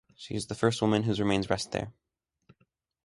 She is the first woman whose remains rest there.